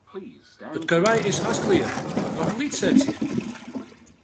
It karwei is hast klear, noch in lyts setsje.